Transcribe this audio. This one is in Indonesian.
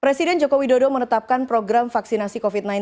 presiden jokowi dodo menetapkan program vaksinasi covid sembilan belas